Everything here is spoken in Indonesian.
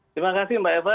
terima kasih mbak eva